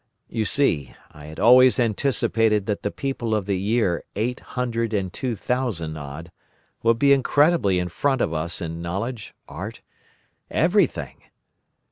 You see, I had always anticipated that the people of the year Eight Hundred and Two Thousand odd would be incredibly in front of us in knowledge, art, everything.